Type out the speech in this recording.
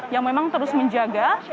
yang memang terus menjaga